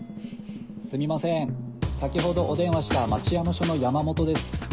すみません先ほどお電話した町山署の山本です。